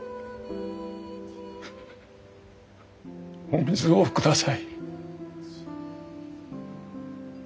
「お水をください」。